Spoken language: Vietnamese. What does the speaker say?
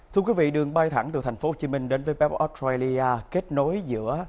thưa quý vị đường bay thẳng từ tp hcm đến vbep australia kết nối giữa